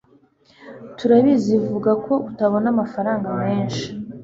turabizi vuga ko utabona amafaranga menshi